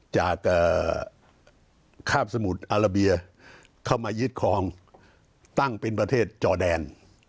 จากข้ามสมุทรอาราเบียเข้ามายึดครองตั้งเป็นประเทศจอแดน